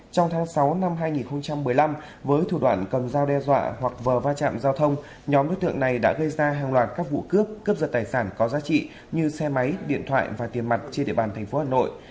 trong tháng sáu năm hai nghìn một mươi năm với thủ đoạn cầm dao đe dọa hoặc vờ va chạm giao thông nhóm đối tượng này đã gây ra hàng loạt các vụ cướp cướp giật tài sản có giá trị như xe máy điện thoại và tiền mặt trên địa bàn thành phố hà nội